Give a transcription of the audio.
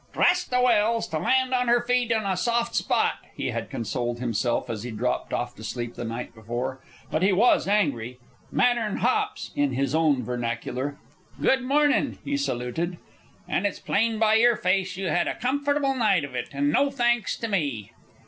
"Trust a Welse to land on their feet on a soft spot," he had consoled himself as he dropped off to sleep the night before. But he was angry "madder 'n hops," in his own vernacular. "Good mornin'," he saluted. "And it's plain by your face you had a comfortable night of it, and no thanks to me."